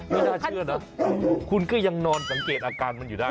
ไม่น่าเชื่อนะคุณก็ยังนอนสังเกตอาการมันอยู่ได้